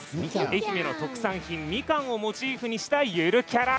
愛媛特産品みかんをモチーフにしたゆるキャラ。